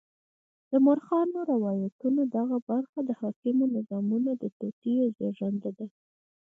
د مورخانو د روایتونو دغه برخه د حاکمو نظامونو د توطیو زېږنده ده.